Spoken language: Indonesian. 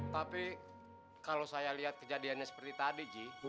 tapi kalau saya lihat kejadiannya seperti tadi ji